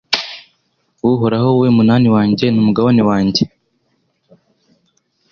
Uhoraho wowe munani wanjye n’umugabane wanjye